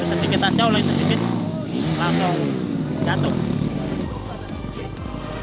nah sedikit aja oleh sedikit langsung jatuh